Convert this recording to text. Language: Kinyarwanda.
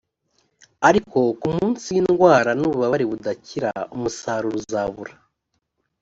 ariko ku munsi w indwara n ububabare budakira umusaruro uzabura